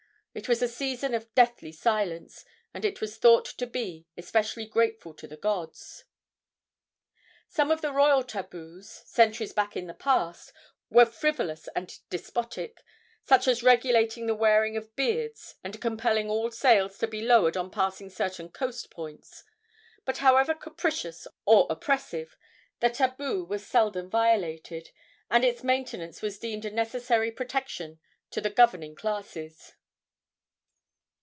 It was a season of deathly silence, and was thought to be especially grateful to the gods. Some of the royal tabus, centuries back in the past, were frivolous and despotic, such as regulating the wearing of beards and compelling all sails to be lowered on passing certain coast points; but, however capricious or oppressive, the tabu was seldom violated, and its maintenance was deemed a necessary protection to the governing classes.